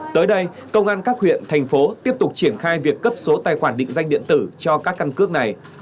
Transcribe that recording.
tới đây công an các huyện thành phố tiếp tục triển khai việc cấp số tài khoản định danh điện tử cho các căn cước này